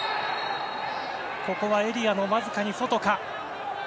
ここはエリアのわずかに外か。